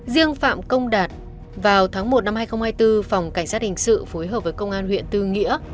riêng phạm công đạt vào tháng một năm hai nghìn hai mươi bốn phòng cảnh sát hình sự phối hợp với công an huyện tư nghĩa